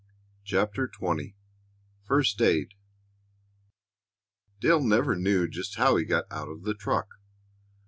CHAPTER XX FIRST AID Dale never knew just how he got out of the truck.